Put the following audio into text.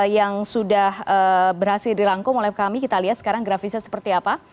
yang sudah berhasil dirangkum oleh kami kita lihat sekarang grafisnya seperti apa